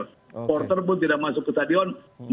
supporter pun tidak masuk ke stadion